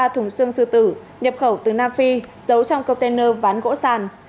chín mươi ba thùng xương sư tử nhập khẩu từ nam phi giấu trong container ván gỗ sàn